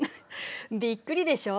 びっくりでしょ。